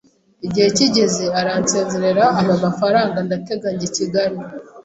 igihe kigeze aransezerera ampa amafaranga ndatega njya I Kigali